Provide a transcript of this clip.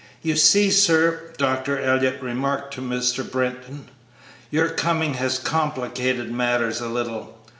"You see, sir," Dr. Elliott remarked to Mr. Britton, "your coming has complicated matters a little.